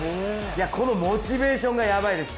このモチベーションがやばいです